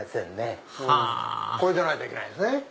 はぁこれじゃないといけないですね。